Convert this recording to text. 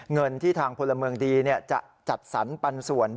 เงินที่ทางพลเมืองดีจะจัดสรรปันส่วน